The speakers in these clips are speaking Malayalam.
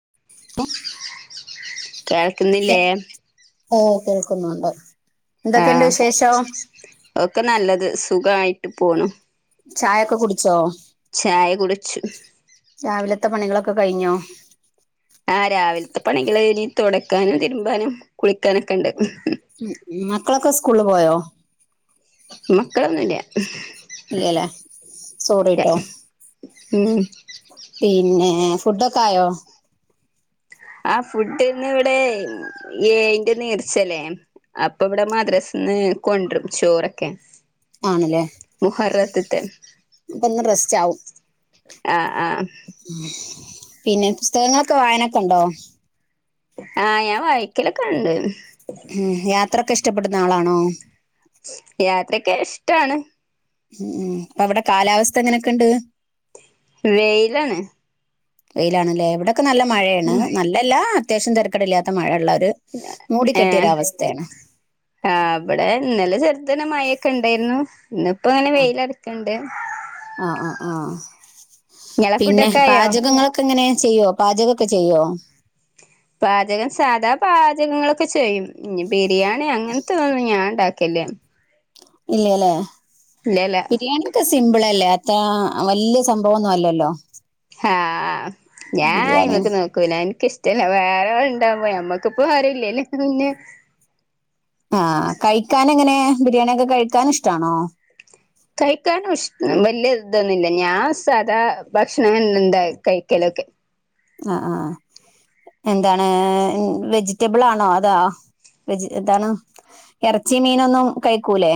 [unintelligible] കേൾക്കുന്നില്ലേ ഏ കേൾക്കുന്നുണ്ട് ആ എന്തൊക്കെയുണ്ട് വിശേഷം ഒക്കെ നല്ലത് സുഖയിട്ട് പോണൂ ചായൊക്കെ കുടിച്ചോ ചായ കുടിച്ചു രാവിലത്തെ പണികളൊ ഒക്കെ കഴിഞ്ഞോ ആ രാവിലത്തെ പണികൾ ഇനി തുടക്കാനും തിരുമ്പാനും കുളിക്കാനൊക്കെ ഉണ്ട് മക്കളൊക്കെ സ്കൂൾ പോയോ മക്കളൊന്നുല്ല ഇല്ലല്ലേ സോറിട്ടോ ഉം പിന്നെ ഫുഡൊക്കെ ആയോ ആ ഫുഡ്‌ ഇന്ന് ഇവിട നേർച്ചല്ലേ അപ്പൊ ഇവിടെ മദ്രസ്ന്ന് കൊണ്ടരും ചോറൊക്കെ ആണല്ലേ മുഹറത്ത്ത്തെ അപ്പൊ ഇന്ന് റെസ്റ്റ് ആവും ആ ആ പിന്നെ പുസ്തകങ്ങളൊക്കെ വായനൊക്കെ ഉണ്ടോ ആ ഞാൻ വയ്ക്കലൊക്കെ ഉണ്ട് ഉം യാത്രയക്കെ ഇഷ്ടപ്പെടുന്ന ആളാണോ യാത്രക്കെ ഇഷ്ടാണ് ഉം ഉം അപ്പൊ അവിടെ കാലാവസ്ഥ എങ്ങനെക്ണ്ട് വെയിലാണ് വെയിലാണല്ലേ അവിടെ നിക്ക് നല്ല മഴയാണ് നല്ലല്ലാ അത്യാവശ്യം തിരക്കേടില്ലാത്ത മഴയള്ള ഏ അവിടെ ഇന്നലെ ചെർദന മഴേ മഴക്കെ ഉണ്ടായിരുന്നു ഇന്നപ്പോ അങ്ങനെ വെയിലടതിണ്ട് ആ ആ ആ പിന്നെ പാചകങ്ങളൊക്കെ എങ്ങനെ ചെയ്യോ പാചകൊക്കെ ചെയ്യോ പാചകം സാധാ പാചകങ്ങളൊക്കെ ചെയ്യും ഇ ബിരിയാണി അങ്ങനത്തെ ഒന്നും ഞാൻ ഉണ്ടാക്കല്ലേ ഇല്ലല്ലേ ഇല്ലല്ല ബിരിയാണി ഒക്കെ സിമ്പിൾ അല്ലേ വലിയ സംഭവംന്നും അല്ലല്ലോ ആഹ ഞാൻ ബിരിയാണി ഇമക്ക് നോക്കൂന എനിക്ക ഇഷ്ട ഇല്ല വേറെ ഇണ്ടാൻ പോ നമ്മക്കിപ്പോ ആരല്ലല്ല പിന്നെ ആഹ കഴിക്കാന എങ്ങനെ ബിരിയാണിയൊക്കെ കഴിക്കൻ ഇഷ്ടാണോ കഴിക്കൻ ഇഷ്ട്ട വലിയ ഇതൊന്നുമില്ല ഞാൻ സാധാ ഭക്ഷണം എന്താ കഴിക്കലൊക്കെ ആ ആ എന്താണ് വെജിറ്റബിൾ ആണോ അതാ വെജി എന്താണ് ഇറച്ചി മീനൊന്നും കഴിക്കൂലേ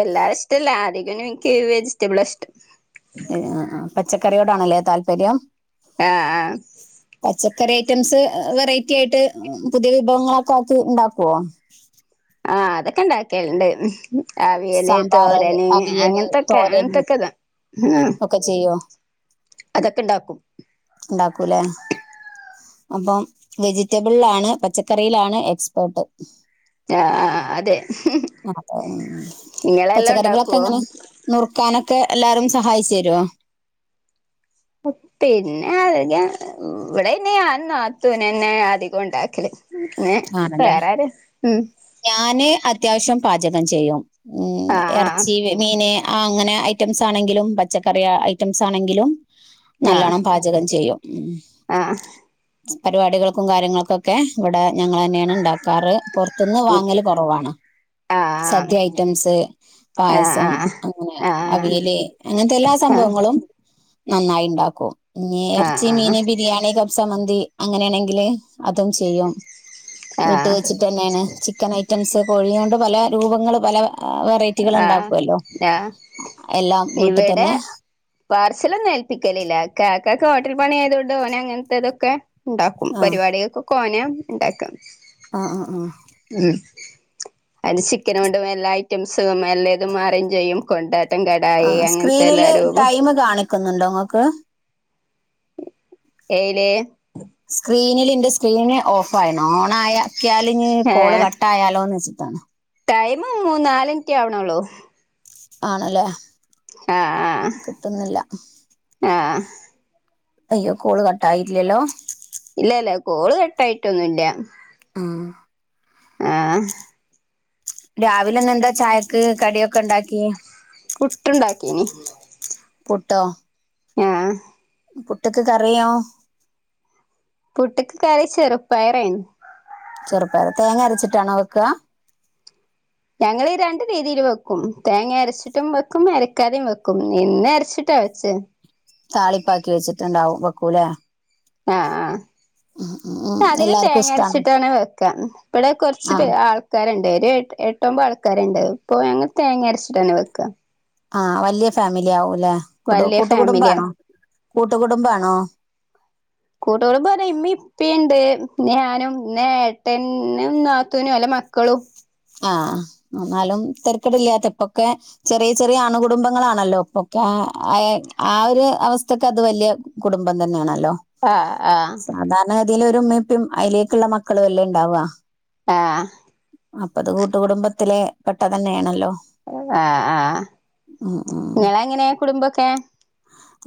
എല്ലാരും ഇഷ്ടല്ല അധി - എനിക്ക് വെജിറ്റബിൾ അണ് ഇഷ്ടം ആ പച്ചക്കറിയോടാണല്ലേ താല്പര്യം ആഹ് ആഹ് പച്ചക്കറി ഐറ്റംസ് വെറൈറ്റി ആയിട്ട് പുതിയ വിഭവങ്ങളൊക്കെ ആക്കി ഉണ്ടാക്കുവോ ആഹ അതൊക്കെ ഇണ്ടാക്കിയലുണ്ട് അവിയല് സാമ്പാറ് തോരന് അവിയല് അങ്ങനത്തൊക്കെ തോരൻ അങ്ങനത്തൊക്കെതാ ഒക്കെ ചെയ്യോ അതൊക്കെ ഇണ്ടാക്കും ഉണ്ടാക്കൂലേ അപ്പം വെജിറ്റബിളിലാണ് പച്ചക്കറിയിലാണ് എക്സ്പേർട്ട് ആഹ ആ അതെ ഇങ്ങളെല്ലാം പച്ചക്കറികളൊക്കെ ഉണ്ടാക്കുവോ എങ്ങനെ നറുക്കാന ക്കെ എല്ലാരും സഹായിച്ചു തരുമോ പിന്നെ അ ഇവിടെ ഇനന്നത്തുനന്നെ അധികം ഉണ്ടാക്കല് പിന്നെ ആണല്ലേ വേറെ ആര് ഉം ഞാന് അത്യാവശ്യം പാചകം അം ചെയ്യും ഉം ആഹ് ഇറച്ചി മീന് ആ അങ്ങനെ ഐറ്റംസ് ആണെങ്കിലും പച്ചക്കറിയ ഐറ്റംസ് ആണെങ്കിലും നല്ലോണ്ണം പാചകം ചെയ്യും ഉം. ആഹ പരിപാടികൾക്കും കാര്യങ്ങൾക്കുംൊക്കെ ഇവിടെ ഞങ്ങൾ തന്നെയാണ് ഉണ്ടാക്കാറ്റ ന്ന് വാങ്ങല് കുറവാണ് ആഹ് സദ്യ ഐറ്റംസ് പായസം അങ്ങനെ ആഹ് ആഹ് ആഹ് ആഹ് ആഹ് ആഹ് അവിയല് അങ്ങനത്തെ എല്ലാ സംഭവങ്ങളും നന്നായി ഉണ്ടാക്കും പിന്നെ ഇറച്ചി മീൻ ബിരിയാണിൊക്കെ സമന്തി അങ്ങനെയാണെങ്കില് അതും ചെയ്യും ആഹ് വീട്ട് ആഹ് വെച്ചിട്ട് തന്നെയാണ് ചിക്കൻ ഐറ്റംസ് കോഴിയ കൊണ്ട് പല രൂപങ്ങള്ൾ പല വെറൈറ്റികൾ ആഹ ഉണ്ടാക്കുമല്ലോ ആഹ എല്ലാം വീട്ടിൽ ഇവിടെ തന്നെ പാർസലൊന്നും ഏൽപ്പിക്കലില്ല കാക്കക്ക് ഓട്ടർ മണി ദൊഡ മനയാ അങ്ങങ് എന്ത് അതൊക്കെ ഉണ്ടാക്കും പരിപാടികൾക്ക് കോന ഉണ്ടാക്കാം ആഹ ആഹ ആഹ അതിന് ചിക്കന കൊണ്ട്ല്ല ഐറ്റംസും അല്ലേതും അറേഞ്ച ചെയ്യും കൊണ്ടും ആ സ്ക്രീനിില് ടൈം കാണി നിക്കുന്നുണ്ടോ ങ്ങക്ക് ഏലേ സ്ക്രീനിില് എന്റെ സ്ക്രീന് ഓഫ് ആയിണം ഓൺ ആായ ാലി കോള് കട്ട്ായാലോന്ന് വെ താണ് ടൈമ് നാലിന്റ്റേ ആവണോള്ളൂ ആണല്ലേ ആഹ് ആ കിട്ടുന്നില്ല ആഹ് ആഹ് അയ്യോ കോള് കട്ടായിട് ഇല്ലല്ലോ ഇല്ലല്ല കോള് കെട്ടായിട്ടൊന്നുംല്ല ഉം ആ രാവിലെന്നെ എന്താ ചായക്ക് കടിയൊക്കെ ഉണ്ടാക്കി പുട്ടുണ്ടാക്കീന് പുട്ടോ ആഹ് പുട്ട്ക്ക് കറിയോ പുട്ട്ക്ക് കറി ചെറുപ്പയറായിരുന്നു ചെറുപ്പായറ് തേങ്ങ അരച്ചിട്ടാണോ വെക്കുക ഞങ്ങളീ രണ്ട് രീതില് വെക്കും തേങ്ങേര്ച്ചിട്ടും വെക്കും എരക്കാതിം വെക്കും നിന്നെര്ച്ചിട്ടാ വെച്ചെ താളിപ്പാക്കി വെച്ചിട്ട്ണ്ടാവും വെക്കൂലേ ആ ഉം ഉം ഉം ആ അധികം എല്ലാർക്കും തേങ്ങ ഇഷ്ടാണോ അര്ച്ചിട്ടാണ് വെക്കാ വടെ കൊർച്ച് പെ ആഹ് ആൾക്കാര്ണ്ട് ഏഹ് എട്ടൊമ്പ ആൾക്കാര്ണ്ട് ഇപ്പൊ ഞങ്ങ തേങ്ങ അര്ച്ചിട്ടന്നെ വെക്ക ആഹ വല്യയ ഫാമിലി ആവു വല്യയ ഫാമിലിയാ കൂട്ടുകുടുംബാണോ കൂട്ടുകുടുംബാർഞ്ഞ ഇമ്മി ഇപ്പിണ്ട് ഞാനും നേട്ടൻന്നും നാത്തൂനും ഒലെ മക്കളും ആ ഒന്നാലും തെര്ക്കെടില്ലാത്ത ഇപ്പൊക്കെ ചെറിയ ചെറിയ അണുകുടുംബങ്ങളാണല്ലോ ഇപ്പൊക്കെ ആ ഒരു അവസ്ഥക്ക് അത് വല്യയ കുടുംബം തന്ന്യാണ് ആഹ് ആഹ് തിലൊരു ഉമ്മേം ഇപ്പിം അയിലേക്കുള്ള മക്കളൊല്ലേ ണ്ടാവ ആഹ് അപ്പത് കൂട്ടുകുടുംബത്തില് പെട്ട തന്യാണല്ലോ ആഹ് ആഹ് ഉം നിങ്ങളെങ്ങനെ കുടുംബൊക്കെ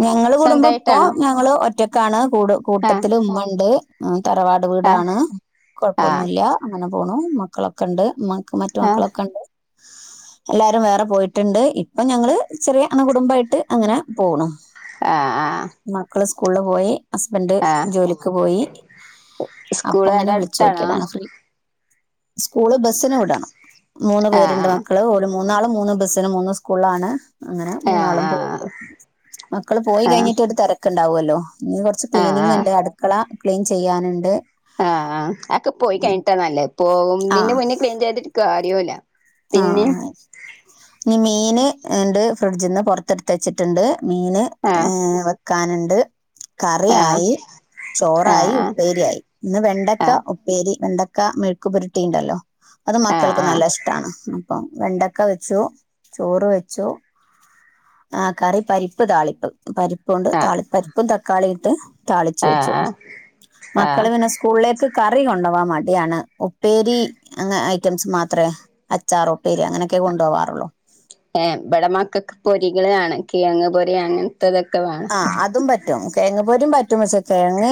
ഞങ്ങള് കുടുംബപ്പോ സ്വന്തായിട്ടാണോ ഞങ്ങള് ഒറ്റക് ക്കാണ് കൂട് ആഹ് കൂട്ടത്തില് ഉമ്മണ്ട് ആ തറവാട് ആഹ് വ്ടാണ് ആഹ് കൊഴപ്പൊന്നുല്ല അങ്ങനെ പോണു മക്കളൊക്കെ ഇണ്ട് മ മറ്റു ആഹ് മക്കളൊക്കെ ഇണ്ട് എല്ലാരും വേറെ പോയിട്ടുണ്ട് ഇപ്പം ഞങ്ങള് ചെറിയ അണു കുടുംബമായിട്ട് അങ്ങനെ പോണു ആഹ് ആഹ് കൂളില് പോയി ഹസ്ബൻഡ് ആഹ് ജോലിക്ക് പോയി അപ്പൊ സ്കൂൾ അങ്ങനെ അവിടെ വിളിച്ചു അടുത്താണോ നോക്കിയതാണ് ഫ്രീ സ്കൂള് ബസ്സിന് വിടണം മൂന്ന് പേരുണ്ട് ആഹ് മക്കള് ഓ മൂന്നാള് മൂന്ന് ബസ്സിന് മൂന്ന് സ്കൂള് ആണ് അങ്ങനെ ആഹ് മൂന്നാളും പോയി ആഹ് മക്കൾ പോയി കഴിഞ്ഞിട്ട് ഒരു തിരക്കുണ്ട് ഉണ്ടാവുമല്ലോ ഇനി കൊറച്ച് ആഹ് ക്ലീനിങ് ആഹ് ഉണ്ട് അടുക്കള ക്ലീൻ ചെയ്യാനുണ്ട് ആഹ് ആഹ് അതൊക്കെ പോയി കഴിഞ്ഞിട്ടാ നല്ലത് പോകുന്നതിൻ്റെ മുന്നേ ക്ലീൻ ചെയ്തിട്ട് കാര്യം കാര്യമില്ല ആഹ് ഇനി മീൻ ഉണ്ട് ഫ്രിഡ്ജിന്ന് പുറത്തെടുത്ത് വച്ചിട്ടുണ്ട് മീന് ആഹ് ഏഹ്ഹ് വെക്കാ ക്കാനുണ്ട് ആഹ് കറിയായി ചോറായി ആഹ് ഉപ്പേരിയായി ഇന്ന് വെണ്ടക്ക ആഹ് ഉപ്പേരി വെണ്ടക്ക വെണ്ടക്ക മെഴുക്ക്‌ പുരട്ടിണ്ടല്ലോ അത് ആഹ് മക്കൾക്ക് നല്ല ഇഷ്ട അപ്പം വെണ്ടക്ക വെച്ചു ചോറ് വെച്ചു ആ കറി പരിപ്പ് താളിപ്പ് പരിപ്പും ഉണ്ട് ആഹ് താളിപ്പരിപ്പും തക്കാ ക്കാളിയിട്ട് താളിച്ചു ആഹ് വെച്ചു. ആഹ് ആഹ് മക്കള് പിന്നെ സ്കൂളിലേക്ക് കറി കൊണ്ടോവാൻ മടി ടിയാണ് ഉപ്പേരി അങ്ങനെ ഐറ്റംസ് മാത്രേ അച്ചാറ് ഉപ്പേരി അങ്ങനെയൊക്കെ കൊണ്ടോവാറുള്ളൂ ഏ ഇബടെ മക്കക്ക് പൊരികളാണ് കിഴങ്ങ് പൊരി അങ്ങനെ ആ അതും പറ്റും കേങ്ങ പൊരീം പറ്റും പക്ഷേ തേ തേങ്ങ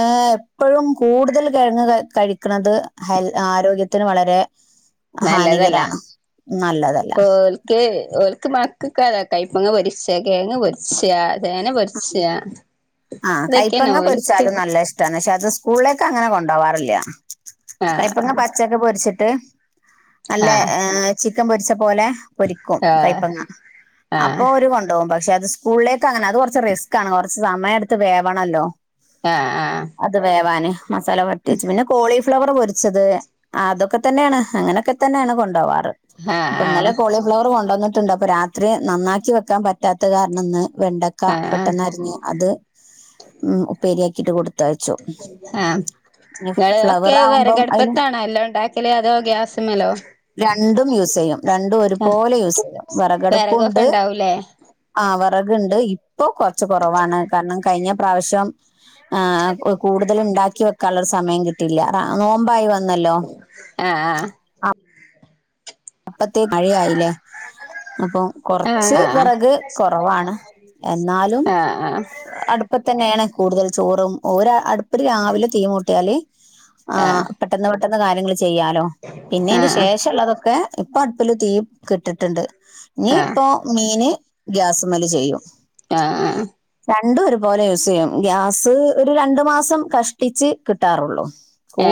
ഏ എപ്പോഴും കൂടുതൽ കിഴങ്ങ് കഴിക്ക്ണത് ഹൽ ആരോഗ്യത്തിന് വളരെ നല്ലതല്ല ഹാനികരാണ് നല്ലതല്ല ഓൽക്ക് ഓൽക്ക് മക്കക്കതാ കൈപ്പങ്ങ പൊരിച്ച് കെയങ്ങ് പോര്ച്ചാ ആ ആ ഇതൊക്കെയാണ് കയപ്പങ്ങ ഓൽക്ക് പൊരിച്ചാലും നല്ല ഇഷ്ട്ടാണ് പക്ഷെ അത് സ്ക്കൂ സ്കൂളിലേക്കെ അങ്ങനെ കൊണ്ടോവാറില്ല കൈപ്പങ്ങ ആഹ് പച്ചൊക്കെ പൊരിച്ചിട്ട് ട്ട് നല്ല ആഹ് ഏ ച്ചി ക്കൻ പൊരിച്ചത് പോലെ പൊരിക്കും ആഹ് കൈപ്പങ്ങ അപ്പൊ ആഹ് ഓര് കൊണ്ടോകും പക്ഷെ അത് സ്കൂളിലേക്ക് അങ്ങനെ അത് കൊറച്ച് കൊറച്ച് റിസ്കാണ് കുറച്ച് സമയം എടുത്ത് വേവണല്ലോ ആഹ് ആഹ് അത് വേവാന് മസാല പോരട്ട്യാച്ച് പിന്നെ കോളി ഫ്ലവ ഫ്ലവർ പൊരിച്ചത് അതൊക്കെ തന്നെയാണ് അങ്ങനെയൊക്കെ തന്നെയാണ് കൊണ്ടോവാ അപ്പ ന്നലെ ആഹ് കോളിഫ്ല ന്നിട്ടുണ്ട് അപ്പൊ രാത്രി നന്നാക്കി വെക്കാൻ പറ്റ പറ്റാത്ത കാരണം ഇന്ന് വെണ്ടക്ക ആഹ് ആഹ് പെട്ടന്ന് അറിഞ്ഞ് അത് ഉം ഉപ്പേരിയാ ഇത് കൊട് ത്തയച്ചു ആഹ് ഇങ്ങള് ഫ്ലവർ ഒക്കെ ആവുമ്പം അതിന് വെറകടുപ്പത്താണോ എല്ലാം ഉണ്ടാക്കല് അതോ ഗ്യാസ്മ്മലോ രണ്ടും യൂസ് ചെയ്യും രണ്ടും ആഹ് ഒരുപോലെ യൂസ് ചെയ്യും വെറകൊക്കെ വിറകടുപ്പുണ്ട് ഉണ്ടാവൂലേ ആ വിറക്ണ്ട് ഇത് ഈ ഇപ്പൊ കൊറച്ച് കൊറവാണ് കാരണം കഴിഞ്ഞ പ്രാവശ്യം ആ കൂടുതല് ണ്ടാക്കി വെക്കാള്ള സമയം കിട്ടിയില്ല നോമ്പായി വ ന്നല്ലോ ആഹ് അപ്പോഴത്തോക്കും മഴയായില്ലേ അപ്പം കുറച്ച് ആഹ് ആഹ് വിറക് കുറവാണ് എന്നാലും ആഹ് അടുപ്പത്ത്തന്നെയാണ് കൂടുതൽ ചോറും ഒര് അടുപ്പിൽ രാവിലെ തീ മൂട്ടിയാൽ ആ ആഹ് പെട്ടെന്ന് പെട്ടോന്ന് കാര്യങ്ങള് ചെയ്യാലോ പിന്നെ ഇനി ആഹ് ശേഷം ഉള്ളതൊക്കെ ഇപ്പൊ അടുപ്പിൽ തീ ഇട്ടിട്ടുണ്ട് ഇനി ആഹ് ആഹ് ഇപ്പോൾ മീന് ഗ്യാസ് മല് ചെയ്യും ആഹ് ആഹ് രണ്ടും ഒരുപോലെ യൂസ് ചെയ്യും ഗ്യാസ് ഒരു രണ്ടു മാസം കക്ഷ്ടിച്ച് കിട്ടാറുള്ളൂ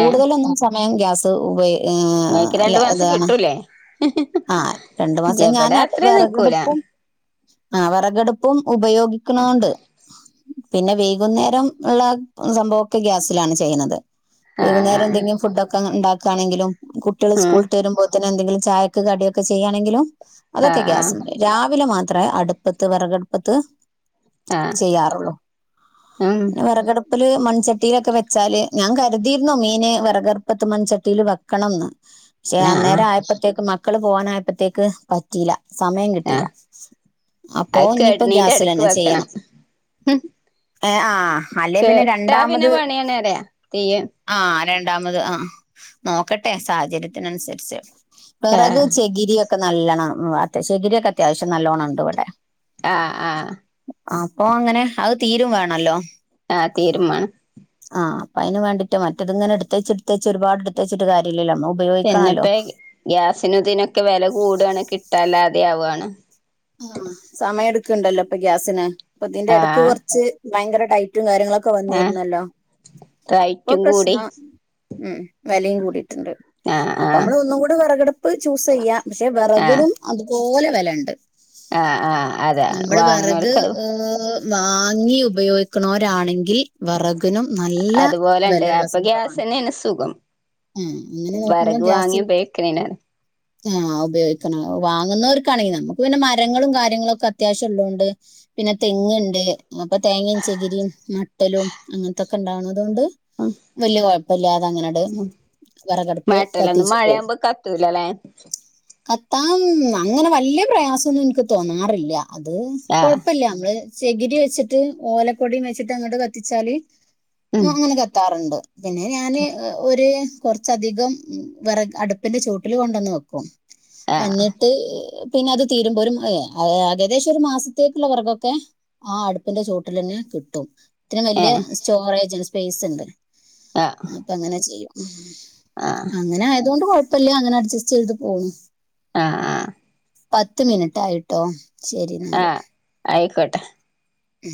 ഏഹ് ഞാൻ ഗ്യാസ് ഉപയോഗ ആ ഇങ്ങക്ക് അല്ല രണ്ടു മാസം അതാണ് കിട്ടൂലേ ആ രണ്ടു മാസം ഞാൻ ഇബടെ അത്രയും നിക്കൂല വിറകടുപ്പും ആ വിറകടുപ്പും ഉപയോഗിക്കണോണ്ട് പിന്നെ വൈകുന്നേരം ഉള്ള സംഭവം ഒക്കെ ഗ്യാസിലാണ് ചെയ്യുന്നത് വൈകുന്നേരം ആഹ് എന്തെങ്കിലും ഫുഡ്ക്കെ ട്ടെന്ന് ഉണ്ടാക്കാണെങ്കിലും കുട്ടികള് സ്കൂൾ ഉം വിട്ട് വരുമ്പോ എന്തെകിലും ചായക്ക് കടിയൊക്കെ ചെയ്യാണെങ്കിലും അതൊക്കെ ആഹ് ഗ്യാസ് മതി രാവിലെ മാത്രമേ അടുപ്പത്ത് വിറക് പത്ത് ആഹ് ചെയ്യാറുള്ളൂ ഉം പിന്നെ വെറകടുപ്പില് മൺചട്ടിയിലൊക്കെ വെച്ചാല് ഞാൻ കരുതിയിരുന്നോ മീൻ വിറകടപ്പത്ത് മൺചട്ടില് വെക്കണം എന്ന് ആ ആ അപ്പോഴത്തേക്ക് മക്കള് പോകാനായപ്പോത്തേക്ക് പറ്റിയില്ല സമയം കിട്ടില്ല ആഹ് അപ്പൊ അത് ഇനിയിപ്പോ കെട്ണീന്റെ എടക്ക് ഗ്യാസിലന്നെ വെക്കണം ചെയ്യണം ഏ ആ അല്ലെ പിന്നെ കേട്ടാ പിന്നെ രണ്ടാമത് പണിയാണ് പറയാ തീയ്യ് ആ ര രണ്ടാമത് ആ നോക്കട്ടെ സാഹചര്യത്തിനനുസരിച്ച് വിറക് ആഹ് ചകിരി ഒക്കെ നല്ലോണം [unintelligible] ചകിരി ഒക്കെ അത്യാവശ്യം നല്ലോണം ഉണ്ട് ഇവിടെ ആഹ് ആഹ് അപ്പൊ അങ്ങനെ അത് തീരും വേണല്ലോ. ആ തീരുമ്മാണം. അയിന് വേണ്ടിട്ട് മറ്റത്ങ്ങനെ എടുത്തച്ചെടുത്തച്ച് ഒരുപാടെ ടുത്തെച്ചിട്ട് കാര്യല്ലല്ലോ. ഉപയോഗിക്കാല്ലോ. ഗ്യാസിനുതിനൊക്കെ വെല കൂടാണ് കിട്ടാ വല്ലാതെ ആവാണ്. ആ സമയം എടുക്കണ്ടല്ലോ ഇപ്പൊ ഗ്യാസിന്. പ്പതിന്റെ എടക്ക് ആഹ് കൊറച്ച് ഭയങ്കരടൈറ്റ് റ്റും കാര്യങ്ങളൊക്കെ ആഹ് വന്നിരുന്നല്ലോ ഇപ്പൊ റൈറ്റും കൂടി പ്രശ്നൊ ഉം വെലയും കൂടി. ണ്ട് ആഹ് അപ്പ ആഹ് നമ്മള് ഒന്നും കൂടെ വിറകടുപ്പ് ചൂസ് ചെയ്യാം ഷെ വിറകിലും അതുപോലെ വെലണ്ട്. ആ ആ അതെ വാങ്ങണോർക്ക്‌ ഏഹ് വാങ്ങി ഉപയോഗിക്കൊണോരാണെങ്കിൽ വെറകിനും നല്ല അതുപോലെണ്ട് വെലള്ള അപ്പൊ സംഭവാണ് ഗ്യാസെന്നേണ് സുഖം ആ അങ്ങനെ നോക്കുമ്പ വെറക് വാങ്ങി ഗ്യാസ് ഉപയോഗിക്കണേനാണ് ആ ഉപയോഗിക്കണം വാങ്ങുന്നോർ ക്കാണി നമ്മ ക്കു പിന്നെ മരങ്ങളും കാര്യങ്ങളൊക്കെ അത്യാവിശ്യം ഉള്ളോണ്ട് പിന്നെ തെങ്ങ്ണ്ട് അപ്പ തേങ്ങേ ചകിരിയും മട്ടലും അങ്ങെൻത്തൊക്കെണ്ടാവണതോണ്ട് ഉം വെല്ല്യ കൊഴപ്പില്ലാതങ്ങനെട് ഉം വെറകടുപ്പ് മറ്റേലൊന്നും കത്തിച്ച് പോം. മഴയാവുമ്പോ കത്തൂലല്ലേ കത്താം അങ്ങനെ വല്ല്യ പ്രയാസൊന്നും എനിക്ക് തോന്നാറില്ല. അത് ആഹ് കൊഴപ്പില്ല മ്മള് ചെകിരി വെച്ചിട്ട് ഓലക്കൊടിം വെച്ചിട്ട് അങ്ങട് കത്തിച്ചാല് ഉം അങ്ങനെ കത്താറ്ണ്ട്. പിന്നെ ഞാന് ഒര് കൊറച്ചധികം വെറക് അടുപ്പിന്റെ ചോട്ടില് കൊണ്ടന്ന് വെക്കും. ആഹ് അന്നിട്ട് ഇ പിന്നത് തീരുമ്പോലും അ എകദേശം ഒരു മാസത്തേക്കുള്ളവെറകൊക്കെ ആ അടുപ്പിന്റെ ചോട്ടിലന്നെ കിട്ടും. ഇത്രേം വെല്ല്യ ഏഹ് സ്റ്റോറേജാണ്. പേയ്സ്ണ്ട്. ആഹ് അപ്പ അങ്ങനെ ചെയ്യും. ആഹ് അങ്ങനായതുകൊണ്ട് കൊഴപ് പ്പല്ല അങ്ങനെ അഡ്ജസ്റ്റ് ചെയ്ത് പോകു ആ ആ പത്ത് മിനിറ്റ് ആയിട്ടോ ശരി എന്നല് ട്ടെ മ്